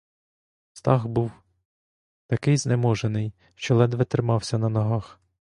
Стах був такий знеможений, що ледве тримався на ногах.